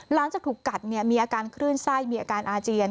หลังจากถูกกัดมีอาการคลื่นไส้มีอาการอาเจียน